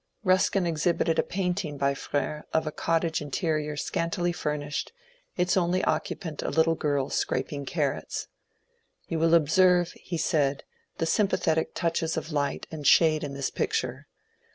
Ruskin exhibited a painting by Fr^re of a cottage interior scantily furnished, its only occupant a little girl scraping carrots. You will observe, he said, the sympathetic touches of light and shade in this picture.